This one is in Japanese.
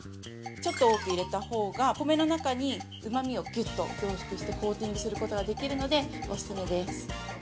◆ちょっと多く入れたほうが米の中に、うまみをぎゅっと凝縮してコーティングすることができるので、オススメです。